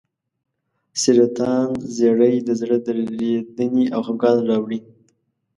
سرطان زیړی د زړه درېدنې او خپګان راوړي.